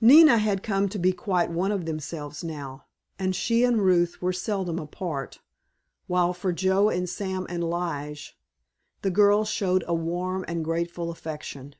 Nina had come to be quite one of themselves now, and she and Ruth were seldom apart, while for Joe and Sam and Lige the girl showed a warm and grateful affection.